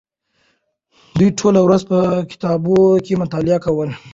دوی ټوله ورځ په کتابتون کې مطالعه کوله.